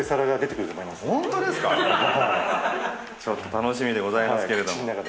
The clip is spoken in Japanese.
楽しみでございますけれども。